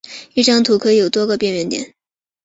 一张图可以有多个边缘点。